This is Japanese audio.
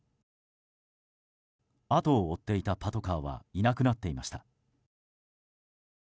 後を追っていたパトカーはいなくなっていました。